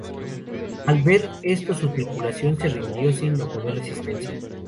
Al ver esto su tripulación se rindió sin oponer resistencia.